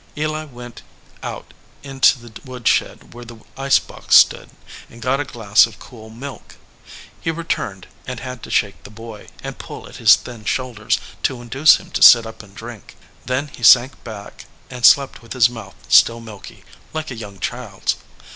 Eli went out into the woodshed where the ice box stood, and got a glass of cool milk. He re turned, and had to shake the boy and pull at his thin shoulders to induce him to sit up and drink. Then he sank back and slept with his mouth still milky, like a young child s.